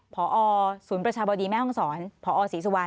พอศูนย์ประชาบดีแม่ห้องศรพอศรีสุวรร